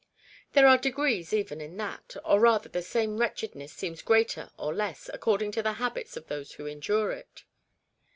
There are degrees even in that, or rather the same wretchedness seems greater or less, ac cording to the habits of those who endure it.